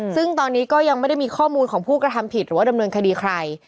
ซึ่งตอนนี้ก็ยังไม่ได้มีข้อมูลของผู้กระทำผิดหรือว่าดำเนินคดีใคร